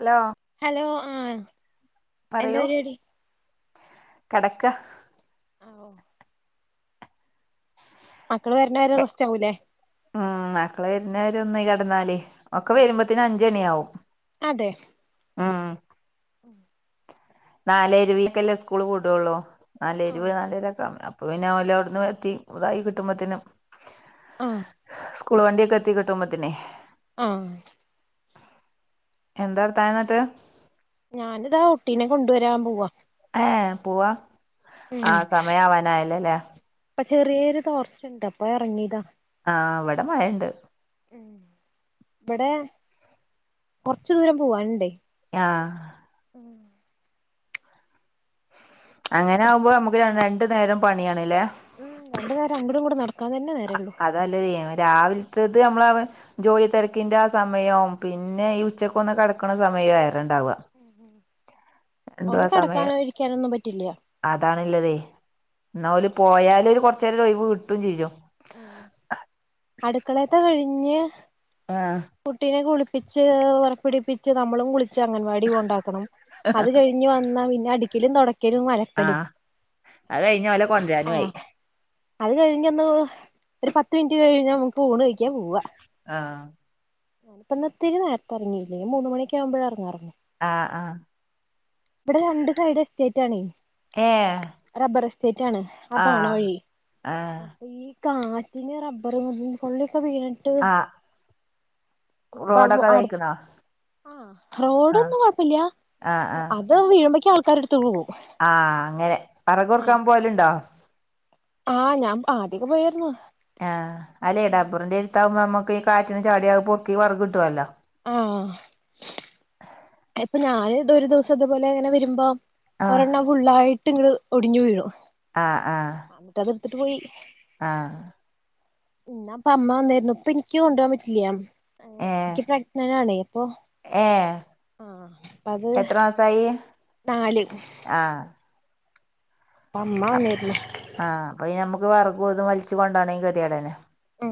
Hello hello ആഹ് എന്താ പരിപാടി കെടക്കാ ഓഹ് മക്കള് വര്ണ വരെ റെസ്റ്റ് ആവൂലേ ഉം മക്കള് വരുന്നവരെ ഒന്ന് കെടന്നാല് ഒക്കെ വരുമ്പോത്തേന് അഞ്ചണി ആവും അതെ ഉം നാലെ ഇരുവീക്കല്ലേ സ്കൂള് വിടോള്ളൂ നാലെരുവ് ആഹ് നാലരോക്കെ അപ്പ പിന്നെ ഓല് അവ്ട്ന്ന് എത്തി ഇതായി കിട്ടുമ്പോത്തിന് ആഹാ സ്കൂൾ വണ്ടിയൊക്കെ എത്തി കിട്ടുമ്പത്തിനെ ആഹാ എന്താർതാനം ന്നിട്ട് ഞാനിതാ കുട്ടീനെ കൊണ്ടുവരാൻ പോവാ. ആഹാ പോവാ ആ സമയവാനായല്ലോ? ല്ലേ ഇപ്പ ചെറിയൊരു ടോർച്ച്ണ്ട് പ്പ ഇറങ്ങിയീതാ ആഹാ ഇവടെ മയണ്ട് ഉും ഇപടെ കൊറച്ചു ദൂരം പോവാന്ണ്ടേ യാഹ് [unintelligible] അങ്ങനെ ആവുമ്പോ നമുക്ക് ര രണ്ടു നേരം പണിയണ്ല്ലേ ഉം രണ്ട് നേരം അങ്ങടും ഇങ്ങടും നടക്കാൻ തന്നെ നേരൊള്ളൂ. അതല്ലത് രാവിലത്തത് നമ്മള അവ ജോലി തിരക്കിന്റെ ആ സമയം പിന്നെ ഈ ഉച്ചക്കൊന്ന് കടക്ക്ണ് സമയവും ആറെണ്ടാവ ഒന്ന് കെടക്കാനോ ഇരിക്കാനോ ഒന്നും പറ്റില്ല്യ. അതാണ്ള്ളതെ ന്നാ ഓല് പോയാല് ഒരു കുറച്ച്നേരം ഒരൊഴിവ് കിട്ടും ചെയ്യും. ഉും അടുക്കക്കളെത്ത് കഴിഞ്ഞ് ആഹ് കുട്ടീനെ കുളിപ്പിച്ച് പുറപ്പിടിപ്പിച്ച് നമ്മളും കുളിച്ച് അംഗൻവാടിൽ കൊണ്ടാക്കണം അത് കഴി ഞ്ഞി വന്ന പിന്നെ അടിക്കലും തോടക് ക്കലും അലക്കലും ആഹ് അത് കഴിഞ്ഞ ഓലെ കൊണ്ടരാനും ആ ആയി അത് കഴിഞ്ഞ് ഒന്ന് [unintelligible] ഒരു പത്ത് മിനിറ്റ് കഴിഞ്ഞാ നമുക്ക് ഊണ് കഴിക്കാൻ പോവാ ആഹ് അപ്പ ഇന്ന് ഇതിരി നേരത്തെറങ്ങിക്ക്ണ് മൂന്ന് മണിക്കാവുമ്പഴെ യറങ്ങാറൊള്ളൂ. ആഹ ആഹ ഇപടെ രണ്ട് സൈഡ് എസ്റ്റേറ്റ് ആണേ ഏഹ് റബ്ബറ് എസ്റ്റേറ്റ് ആണ്. ആ പോണ ആഹ് വഴി ആഹ് അപ്പൊ ഈ കാറ്റിന് റബ്ബർ വികും കൊള്ളിക്കെ വീണിട്ട് ആഹ് [unintelligible] റോഡൊക്കെ അതായിക്കണോ ആഹ റോഡൊന്നും കൊഴപ്പല്ല്യ ആഹ ആഹ അത് വീഴുബേക്ക് ആൾക്കാര് ത് പോവും ആഹ് അങ്ങനെ വെറക് പെറുക്കാൻ പോകലുണ്ടോ? ആഹ് ഞാൻ ആദ്യൊക്കെ പോയരുന്നൂ. ആഹ് അലെ ഡബറിന്റെ അടുത്താവുമ്പോ നമ്മുക്ക് ഈ കാറ്റിന് ചാടിയ പൊറക്കി വിറക് കിട്ടുല്ലോ? ആഹ് [unintelligible] ഇപ്പൊ ഞാന് ത് ഒരു ദിവസം അതുപോലെ ഇങ്ങനെ വരുമ്പോ ആഹ് ഒരെണ്ണം ഫുള്ളായിട്ട് ഇങ്ങ്ട് ഒടിഞ്ഞു വീഴോ ആഹ് ആഹ് ന്നിട് അത് എടുത്തിട്ട് പോയി ആഹ് ഇന്ന് പ്പ അമ്മ വന്നാര്ന്നു ഇപ്പ ഇന്ക്ക് കൊണ്ട് പോകൻ പറ്റില്ല എനിക്ക് പ്രഗന്ററ് ആണെപോ ഏഹ ആഹ പ്പഅത് നാല് ആഹ് അമ്മ അപ് വന്നീർന്നു ആഹ് അപ്പ പിന്നെമ്മക്കും വെറക് ഇതും വൽച്ച് കൊണ്ടാണേങ്കി കെ ത്യോടന്നെ. മ്.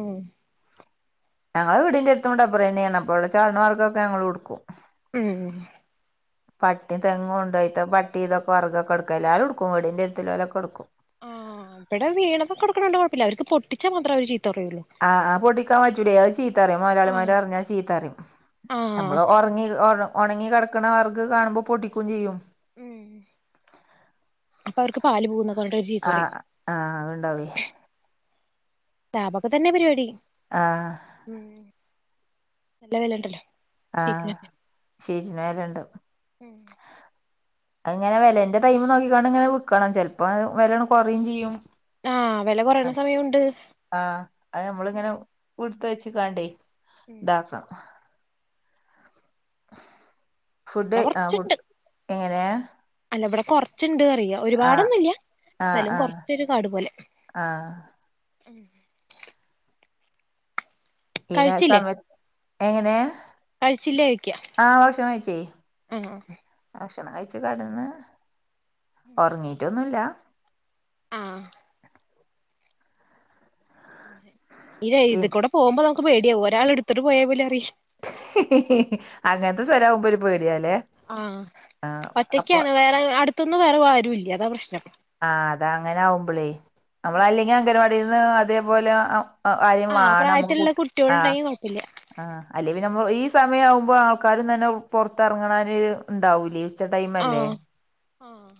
ഞങ്ങളെ വീട്ന്റെഅട്ത്തും ടബ്ബറന്നേണ് അപ്പോള് ചാട്ണ ഭാഗ തൊക്കെ ഞങ്ങളും എട്ക്കും. മ്. പട്ടിം തെങ്ങോണ്ടായിട്ട് പട്ടിതൊക്കെ വെറകൊക്കെ എട്ക്കലാ എല്ലാരും എട്ക്കും വീടിൻ്റെ എട്ത്ത്ള്ളോലൊക്കെ എട്ക്കും. ആഹ് ഇവിടെ വീണതൊക്കെ എട്ക്ക്ന്നണ്ടാ കൊയ്പ്പല്യ അവർക്ക് പൊട്ടിച്ചാൽ മാത്രമേ അവര് ചീത്ത പറയൊള്ളൂ. ആഹ് ആ പൊട്ടിക്കാൻ പറ്റൂലേ അഹ് ചീത്തറിം ആ മൊയ്ലാളിമാര റിഞ്ഞാൽ ചീത്തറിം. ആ ന്നമ്മള് ഒർങ്ങി ഒർ ഒണങ്ങി കെട്ക്ക്ണ വെർക് കാണുമ്പോ പൊടിക്കും ചെയ്യും. [inaudible] അപ്പ അവർക്ക് പാല് പോവുന്നൊക്കെ പർഞ്ഞ്ട്ട് ചീത്ത ആഹ് പറയും. ആഹ് അത്ണ്ടാവേ ലഭൊക്കെ തെന്നെ പരിവാടി. ആഹ്. ഉം നല്ല വെലണ്ടല്ലോ. ആഹ് ശെരി നേരംണ്ട്. അഅ്ങ്ങനെ വെലന്റെ ടൈം നോക്കിക്കാണ്ട് ഇങ്ങനെ ക്കണം ചെലപ്പം വെലകള് കൊറയും ചെയ്യും ആ വില കുറയണ ആഹ് സമയമുണ്ട് ആ അഹ് നമ്മളിങ്ങനെ ഉട്തെച്ച് കാണ്ടേ ഉം ഇതാക്കാം. ഫുഡ് ഇവിടെ ആ ഫുഡ് കൊറച്ചുണ്ട് എങ്ങനെയ? അല്ല ഇവ്ടെ കൊർച്ച്ണ്ട് അറിയാം. ആഹ് ഒരുപാടൊന്നുംഇല്ല്യ ആഹ് ന്താലും ആഹ് കൊർച്ചൊരു കാട് പോലെ. ആഹ് ഇതെ കഴിച്ചില്ലേ സമ എങ്ങന്യാ. കഴിച്ചില്ലേ ചോയ്ക്ക ആഹ് ഭക്ഷണംകയ്ച്ചേ. ആ ഭക്ഷണം കയ്ച്ച് കെട്ന്ന് ഉറങ്ങീട്ടൊന്നുല്ല. ആഹ്. ഇതേ പി ഇത് കൂടെ പോവുമ്പോ നമക്ക് പേട്യാവും ഒരാളെട്ത്ത്ട്ട് പോയൽ പോലും അറി അങ്ങൻത്തെ സ്ഥലാവുമ്പോ ഒരു പേട്യാലേ ആ ആ അപ്പൊ ഒറ്റക്കാണ് വേറെ അട് ത്തുംന്നുംവരെ ആരുല്യ അതാ പ്രശ്നം. ആ അതാ അങ്ങനാവുമ്പളേ ന്നമ്മള് അല്ലെങ്കി അംഗൻവാടീന്ന് അതേപോലെ അ ആരേം ആ മാണം മക്ക് പ്രായത്തിലുള്ള കുട് ആ കുട്ടികളുണ്ടെങ്കിൽ കുഴപ്പമില്ല ആ അല്ലേ പിന്നെ മ്മ ഈ സമയാ വുമ്പോ ആൾക്കാരും തന്നെ പൊർത്തെർങ്ങ്ന്നോര് ഇണ്ടാവൂലെ. ഉച്ച ടൈംമല്ലേ. ആഹ്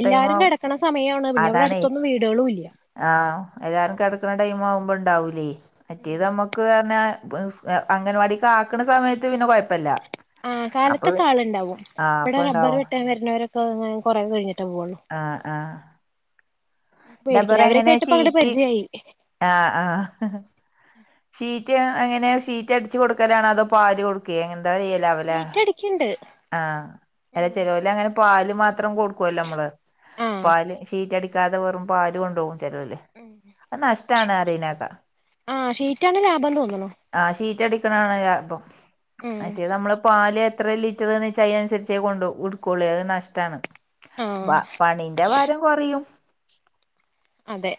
എല്ലാരും കെടക്കണ സമയാണ് പിന്നെ ഇവ്ടെ അതാണേ അട്ത്തൊന്നും വീടൊളൂല്ല. ആഹ് എല്ലാരും കെടക്ണ ടൈം ആവുമ്പോ ഇണ്ടാവൂലേ മറ്റേത് അമ്മക്ക് അർഞ്ഞ പ്ഫ് അംഗനവാടിക്ക് ആക്ണ സമയത്ത് പിന്നെ കൊഴപ്പല്ല ആ അപ്പൊ കാലത്തൊക്കെ ആള്ണ്ടാവും ആഹ് ഇമ്പ്ടെ റബ്ബർ അപ്പണ്ടാവും വെട്ടാൻ വര്ന്നവരൊ കൊറേ കയ്ഞ്ഞിട്ടേ പോവൊള്ളൂ. ആഹ് ആഹ്. ഡബർ പേടിക്കില്ല എങ്ങനെ അവരൊക്കെയായിട്ട് ഇപ്പ അങ്ങട് ഷീറ്റ് പര്ചയായി. ആഹ് ആഹ്. ഷീറ്റ് എങ്ങനെ ഷീറ്റ് അട്ച്ച് കൊടുക്കലാണോ അതോ പാല് കൊട്ക്കേ എന്താ ചെയ്യൽ? ഷീറ്റ് അടിക്കിണ്ട്. ആഹ് അല്ല ചെലോല് അങ്ങനെ പാല് മാത്രം കൊട്ക്കല്ലോ അമ്മള് ആഹ് പാല് ഷീറ്റടി ക്കാതെ വെറും പാല് കൊണ്ടോവും ചെലോല് അത് നഷ്ട്ടാണ് അറിണേക്ക. ആഹ് ഷീറ്റാണ് ലാഭം തോന്ന്ണു. ആ ഷീറ്റടിക്ക്ണാണ് ലാഭം മറ്റേത മ്മള് പാല് എത്ര ലി റ്ററ്ന്ന് വെച അയ്നൻസര്ച്ചേ കൊണ്ടോ ഉട്ക്കൊള്ളേ അഹ് നഷ്ട്ടാണ് ആഹ് പ പണി എന്റെ വാരം കൊറിയും. അതെ.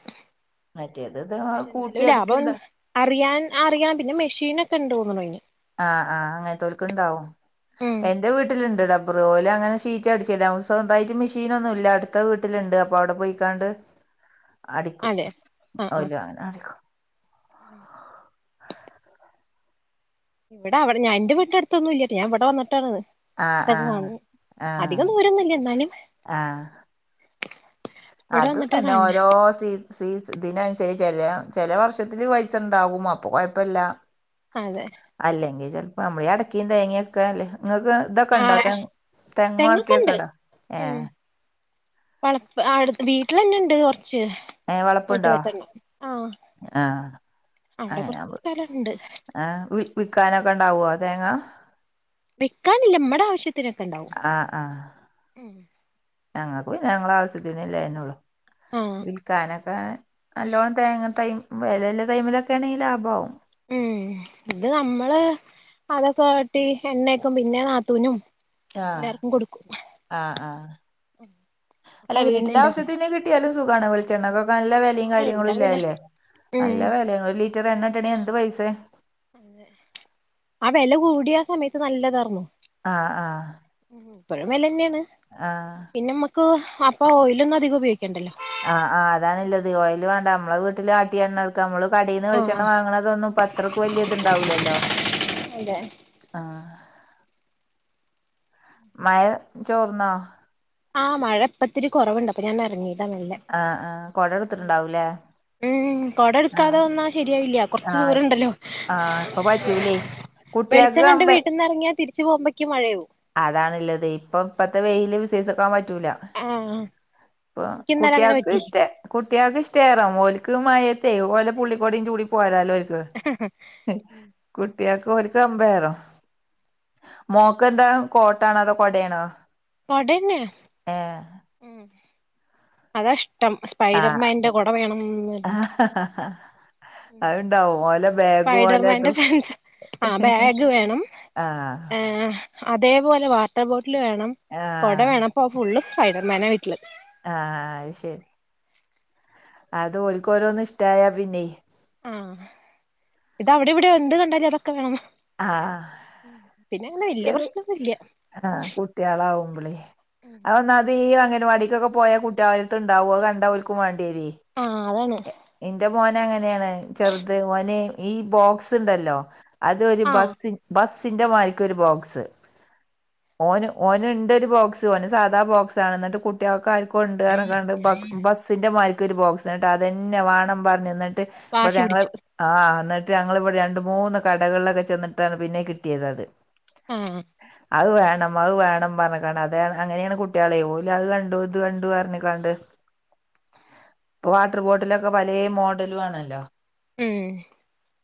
മറ്റേത് ഇതേ മാ പക്ഷെ കൂട്ടി എന്നാലും ലാഭം അട്ച്ച്ടെ അറിയാൻ അറിയാ പിന്നെ മെഷീനൊക്കെണ്ട് തോന്നണ് അതിന്. ആഹ് ആഹ് അങ്ങനതോൽക്ക് ഉണ്ടാവും ഉം എ എന്റെ വീട്ടിലുണ്ട് ഡബർ ഒല് അങ്ങനെ ഷീറ്റ് അടിക്കല് മെഷീനൊന്നുല്ല അടുത്ത വീട്ടിലുണ്ട് അപ്പോൾ അവിടെ പോയി കാണ്ട് അടിക്കും അതെ ആഹ് ആഹ് ഓല് അങ്ങനെ അടിക്കും ഇവിടെ അവിടെ എൻ്റെ വീട്ടിനടുത്തൊന്നുല്ല ഞാൻ ഇവിടെ വന്നിട്ടാണത്. ആഹ് ആഹ് ണ് ആഹ് അധികം ദൂരൊന്നുല്ല എന്നാലും ആഹ് ഇവിടെ അത് വന്നിട്ടാ തന്നെ കാണണെ ഓരോ സീ ഫീസ് ഇതിനനുസരിച്ച് ചില ചില വർഷത്തില് പൈസുണ്ടാവും അപ്പൊ കൊഴപ്പമില്ല. അതെ. അല്ലെങ്കിൽ ചിലപ്പോ നമ്മള് അടക്കെം തേങ്ങൊക്കെ അല്ലേ നിങ്ങൾക്ക് ഇതൊക്കെ ഉണ്ടോ ആഹ് തെങ്ങും അടക്കയൊക്കെ തെങ്ങൊക്കെണ്ട് ഉണ്ടോ ഏഹ് [unintelligible] വീട്ടിൽ തന്നെയുണ്ട് കൊറച്ച്. ഏഹ് വളപ്പുണ്ടോ എട്ട്പത്തെണ്ണം ആഹ് ആഹ് അവിടെ കുറച്ച് സ്ഥലുണ്ട്. ആ വിൽക്കാനൊക്കെ ഉണ്ടാവോ ആഹ് തേങ്ങ. വിക്കാനില്ല നമ്മുടെ ആവശ്യത്തി തിനെക്കെ ഉണ്ടാവും. ആഹ് ആഹ് ഞങ്ങൾക്ക് പിന്നെ ഞങ്ങളെ ആവശ്യത്തിന് ഇല്ലയ്ന്നെള്ളൂ ആഹ് കാനൊക്കെ നല്ലോണം തേങ്ങ ടൈമ് വിലല്ല ടൈമിലൊക്കെ ആണെങ്കിൽ ലാഭാവും. ഉം ഇത് നമ്മള് അതൊക്കെ വെട്ടി എണ്ണക്കും പിന്നെ നാത്തൂനും. ആഹ് എല്ലാർക്കും കൊടുക്കും ആഹ് ആഹ് അപ്പൊ അല്ല അതിനന്നെ വീട്ടിലെ ഇണ്ടാവുള്ളു ആവശ്യത്തിന് കിട്ടിയാലും സുഖാണ് ച്ചെണ്ണക്കൊക്കെ നല്ല വിലയും ആഹ് കാര്യങ്ങളും എന്താ ഉള്ളയ് വില അല്ലേ ഉം നല്ല വില ഒരു ലിറ്റർ എണ്ണ കിട്ടാണെങ്കി എന്ത് പൈസ? ആഹ് വില കൂടിയ ആഹ് സമയത്ത് നല്ലതായിരുന്നു. ആഹ് ആഹ്. ഇപ്പോഴും വില തന്നെയാണ് ആഹ് പിന്നെ നമ്മുക്ക് അപ്പൊ ഓയിലൊന്നും അധികം ഉപയോഗിക്കണ്ടല്ലോ. ആഹ് ആഹ് അതാണ് ഇല്ലത് ഓയില് വേണ്ട നമ്മളെ വീട്ടില് ആട്ടിയ എണ്ണ നമ്മള് കടയിൽന്ന് ആഹ് വെളിച്ചെണ്ണ വാങ്ങണതൊന്നും ഇപ്പ അത്രക്ക് വലിയ ഇത്ണ്ടാവലല്ലോ. അതെ ആഹ്. മഴ ചോർന്നോ? ആഹ് മഴ ഇപ്പത്തിരി കുറവുണ്ട് അപ്പം ഞാൻ ഇങ്ങിയതാ മെല്ലെ. ആഹ് ആഹ് കൊട എടുത്തിട്ടുണ്ടാവൂല്ലേ? ഉം കൊട എടുക്കാതെ വന്നാൽ ശരിയാവില്ല. കുറച്ച് ആഹ് ദൂരം ഉണ്ടല്ലോ ആഹ് ഇപ്പ പറ്റൂലേ കുട്ട്യാക്ക് വെളിച്ചം കണ്ട് കമ്പ വീട്ടിന്ന് ഇറങ്ങിയാ തി ച്ചു പോമ്പയ്ക്ക് മഴ ആയ്യും. അതാണുള്ളത് ഇപ്പം ഇപ്പത്തെ വെയില് വിസസിക്കാൻ പറ്റൂല. ആഹ് ഇപ്പം എനിക്കിന്നലെ അങ്ങനെ കുട്ടിയാക്ക് പറ്റി ഇഷ്ട. കുട്ടികൾക്ക് ഇഷ്ടേറ ഓലക്ക് മയത്തേ ഓലെ പുള്ളിക്കോടയും ചൂടി പോരാലോ? കുട്ടിയക്ക് ഒരു [unintelligible] മോക്ക് പെന്താ കോട്ട് ആണോ കോട ആണോ?. കൊടനെ ഏഹ് ഉം അതാ ഇഷ്ടം ആഹ് ഫൈഡർമാന്റെ കുട വേണംന്ന് പറഞിട്ട് അത്ണ്ടാവും ഓലെ ബാഗും ഫൈഡർമൻന്റെ ഓലെതും ഫാൻസ്. ആ ബാഗ് വേണം ആഹ് ഏഹ് അതേപോലെ വാട്ടർ ബോട്ടിൽ വേണം കൊട ആഹ് വേണം പ്പോ ഫുള്ള് ഫൈഡർ മോന വീട്ടില്. ആഹ് അയ് ശരി. അത് ഒല്ക് ഓരോന്ന് ഇഷ്ടായ പിന്നെ. ആഹ് ഇത്അവിടിം വിടിം എന്ത് കണ്ടാലും അതൊക്കെ വേണം ആഹ് പിന്നെ അങ്ങനെ അഹ് വല്യ ചെറി പ്രശ്നൊന്നുല്ല അഹ് കുട്ട്യാളാവുമ്പളോ അത് ഒന്നാമത്ഈ അംഗൻവാടിക്കൊക്കെ പോയാ കുട്ട്യാളെട്ത്ണ്ടാവു, അഹ് കണ്ടാ ഓൽക്കും വാണ്ടിയേരൊയ്. ആഹ് അതന്നെ ഇന്റെ മോന് അങ്ങനേണ്, ചെർത് ഓന് ഈ ബോക്സ്ണ്ടല്ലോ? അതൊരു ആ ബസ്സി ബസ്സിന്റെ മാരിക്കൊരു ബോക്സ്. ഓന് ഓന്ണ്ടൊരു ബോക്സ്, ഓന് സാധാ ബോക്സാണ്. ന്നട്ട് കുട് കുട്ട്യാൾക്ക് ആർക്കോ ഇണ്ട് പറഞ്ഞിങണ്ട് ബസ്സിന്റെ മാരിക്കൊ ഒരു ബോക്സ് നട്ട് അതന്നെ വേണം പറഞ്ഞ് ബടെ വാശി ഞങ്ങള് പിടിച്ചു ആഹ് എന്നിട്ട് ഞങ്ങളിവിടെ രണ്ട് മൂന്ന് കടകളിലൊക്കെ ചെന്നിട്ടാണ് പിന്നെഈ കിട്ടിയത് അത്. ഉം അത് വേണം അത് വേണം പർഞ്ക്കാണ്ട് അത് അങ്ങനേണ് കുട്ട്യാളെയ്, ഓല് അത് കണ്ടു ഇത് കണ്ടു അർഞ്ക്കാണ്ട്. പ്പൊ വാട്ടർ ബോട്ടിലൊക്കെ പലേ മോഡലു ആണല്ലോ? ഉം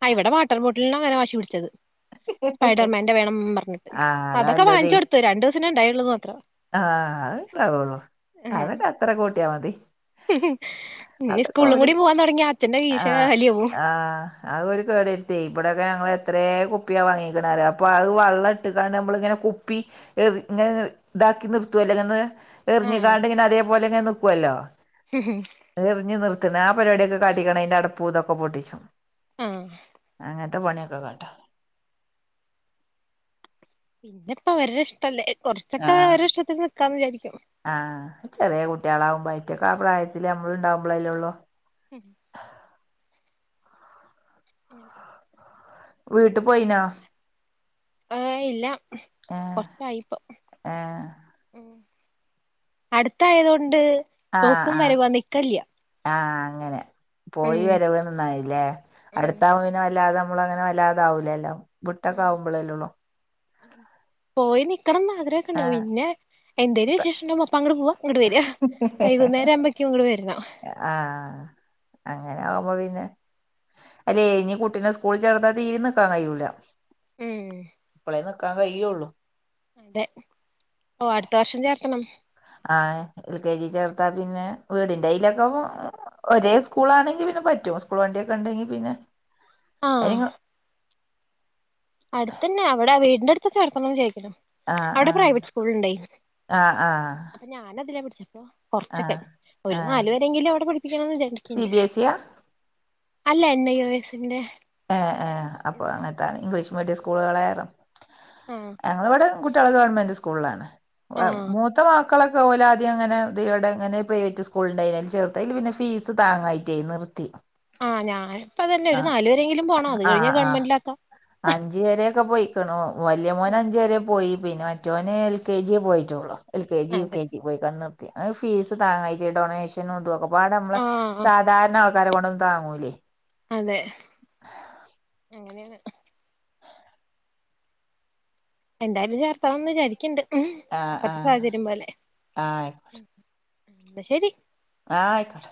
അഹ് ഇവിടെ വാട്ടർ ബോട്ടിൽന്ന അങ്ങനെ വാശി പിടിച്ചത്. സ്ഫൈഡർമാന്റെ വേണം പർഞ്ഞിട്ട്. ആ അതൊക്കെ വാങ്ങിച്ച് കൊടുത്ത്, രണ്ടു ദിവസത്തിനെണ്ടായുള്ളുന്ന് മാത്രം. ആഹ് അത്ണ്ടാവുള്ളൂ. എ അതൊക്കെ അത്ര കൂട്ടിയാ മതി. ഇനി അതൊക്കെ സ്കൂളിലും ഓല് കൂടി പോവാൻ തൊടങ്ങിയ അച്ഛന്റെ കീശ കാല്യവും ആഹ് അത്ഓല് കേടരുത്തോയ്, ഇബടൊക്കെ ഞങ്ങള് എത്രേ കുപ് കുപ്പിയാവാങ്ങിക്ക്ണറ്യോ.. അപ്പ അത് വളളം ഇട്ട്ക്കാണ്ട് ഞമ്മള്ങ്ങനെ കുപ്പി ഇങ്ങനെ ഇതാക്കി നിർത്തോല്ലലോന്ന് [unintelligible] ആ എറിഞ്ഞിക്കാണ്ട്ങ്ങനെ അതേപോലെങ്ങനെ നിക്ക്വല്ലോ? എർഞ്ഞ് നിർത്ത്ണ്. ആ പരിപാട്യൊക്കെ കാട്ടിക്കാണ്ട് അയ്ന്റെ അടപ്പൂ തൊക്കെ പൊട്ടിച്ചും ഉം അങ്ങൻത്തെ പണ്യൊക്ക കാട്ടും. പിന്നെ പ്പ അവര്ടെ ഇഷ്ടല്ലേ. കൊർച്ചൊക്കെ അവര്ടെ ഇഷ്ടത്തിന് നിക്കാന്ന് വിചാരിക്കും. ആഹ്, ചെറ്യേ കുട്ട്യാളാവുമ്പം അയിറ്റക്ക് ആ പ്രായത്തില് അമ്മള് ണ്ടാവുമ്പളല്ലേ ഉള്ളൂ. ഹ് ഹ് ഏഹെ വീട്ട് പോയിനോ? ഏഹ് ഇല്ല ഏ കൊർ ച്ചായിപ്പം. ഏഹ് അടുത്തായത്കൊണ്ട്. ആഹ് ആഹ് ആഹ് അങ്ങനെ. ഉം പോയി വരവണന്നായില്ലേ അടുത്താവ പിന്നെവല്ലാതെ നമ്മള് അങ്ങനെ വല്ലാതൊ ആവൂലല്ലോ വിട്ടൊക്കാവുമ്പളല്ലൊള്ളു പോയി നിക്കണംന്ന് ആഗ്രഹൊക്കെ ണ്ടാവും, ആഹ് പിന്നെ എന്തേലും വിശേഷംണ്ടാവുമ്പൊ അപ്പ അങ്ങട്പോവ ഇങ്ങട് വെര, വൈകുന്നേരം ആവുമ്പക്യും ഇങ്ങട് വര്ണം ആഹ് അങ്ങനെ ആവുമ്പോപിന്നെ അല്ലേയ് നി കുട്ടിനെ സ്കൂളിചേർത്താ തീരിം നിക്കാൻ കയ്യൂല ഉം ഇപ്പളേ ന്ക്കാൻ കയ്യൊള്ളു അന്റെ ഓഹ് അട്ത്തവർഷംചേർത്തണം ആഹ്എൽകെജി ചേർത്താപിന്നെ വീടിന്റെയ്ലൊക്കെപോ ഒരേ സ്കൂളാണെങ്കി പിന്നെ പറ്റും. സ്കൂൾ വണ്ടിഒക്കെണ്ടെങ്കിപിന്നെ ആഹ് അട്ത്തന്യാ.. വടെവീടിന്റെട്ത്ത് ചേർത്തണം വിചാരിക്കുണ് ആഹ് അവിടെ ആഹ് പ്രൈവറ്റ്സ്കൂള്ണ്ടേയ്. ആഹ് ആഹ് അപ്പ ഞാനതിലാ പഠിച്ചെ പ്പോ കൊർച്ചൊക്കെ, ആഹ് ഒരു ആഹ് നാല് വരെങ്കിലും അവിടെ പഠിപ്പിക്കണംന്ന് സി വിചാരിക്ണ്ട് ബി എസ് ഇയാ അല്ല എൻ ഐ ഓ എസ് ന്റെ ഏഹ് ഏഹ് അപ്പൊ അങ്ങൻത്തഇംഗ്ലീഷ് മീഡിയം സ്കൂളുകളെറെ [unintelligible] ഞങ്ങള് ഇവടെ കുട്ട്യാളെ ഗവൺമെന്റ് സ്കൂൾളാണ് ഹ് ആഹ് മൂ ത്തെ മക്കളൊക്കെ ഓല ആദ്യംങ്ങനെ ഇവടെങ്ങനെ പ്രൈവറ്റ് സ്കൂള് ഇണ്ടയ്നി അയ്ല് ചേർത്ത് ആയ്ല് പിന്നെ ഫീസ് താങ്ങായ് റ്റെയ് നിർത്തി ആഹ് ഞാന്പ്പതന്നെ ഒര് ആഹ് നാല് വരെങ്കിലും പോ ആഹ് ആഹ് അഞ്ച് വരൊക്കെ പോയ്ക്ണു വല്യമോന് ആഹ് അഞ്ച് വരെ പോയി പിന്നെ മറ്റോന് എൽ കെജി പോയിറ്റൊള്ളു എൽ കെജി അതെ യുകെ പോയ്ക്കാണ്ട് നിർത്തി അഹ് ഫീസ് താങ്ങായ്റ്റ് ഡൊണേഷനുംതും ഒക്കെ പാടെ അമ്മളെ ആഹ് ആഹ് സാ ധാരണ ആൾക്കാരെ കൊണ്ടൊന്നും താങ്ങൂലേ അതെ [inaudible] അങ്ങനെണ് എന്തായാലും ചേർത്തണം വിചാരിക്ക്ണ്ട് ഹ് ആഹ് അപ്പത്തെ ആഹ് സാഹചര്യം പോലെ ആഹ് പ്പ ശെരി ആഹ് അയ്ക്കോട്ട്